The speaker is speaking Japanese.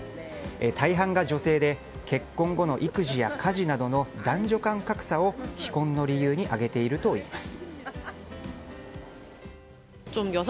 大半が女性で結婚後の育児や家事などの男女間格差を非婚の理由に挙げているといいます。